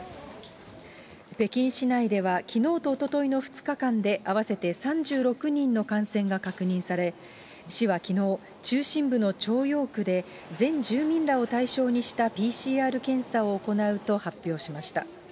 北京市内ではきのうとおとといの２日間で、合わせて３６人の感染が確認され、市はきのう、中心部の朝陽区で全住民らを対象にしたＰＣＲ検査を行うと発表しました。